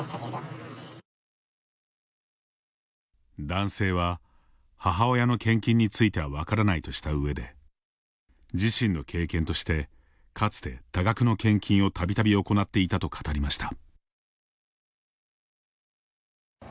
男性は、母親の献金については分からないとしたうえで自身の経験としてかつて多額の献金をたびたび行っていたと語りました。